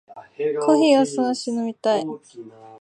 コーヒーを少し飲みたい。